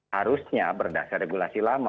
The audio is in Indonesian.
harusnya berdasar regulasi lama